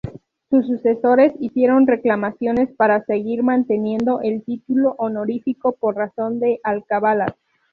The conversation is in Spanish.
Sus sucesores hicieron reclamaciones para seguir manteniendo el título honorífico por razón de alcabalas.